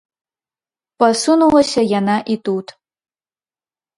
Пасунулася яна і тут.